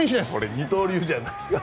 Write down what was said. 二刀流じゃないだろ。